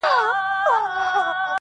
نثر يې بېل رنګ لري ښکاره,